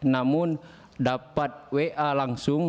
namun dapat wa langsung